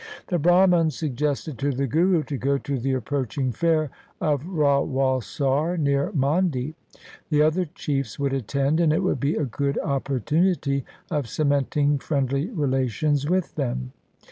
The Brahman suggested to the Guru to go to the approaching fair of Rawalsar near Mandi. The other chiefs would, attend, and it would be a good opportunity of cementing friendly relations with them.